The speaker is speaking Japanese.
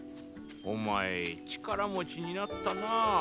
お前力持ちになったなァ。